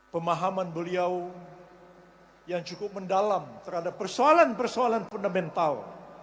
pemahaman beliau yang cukup mendalam terhadap persoalan persoalan fundamental